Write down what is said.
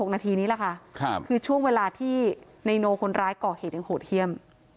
นาทีนี้แหละค่ะคือช่วงเวลาที่นายโนคนร้ายก่อเหตุยังโหดเยี่ยม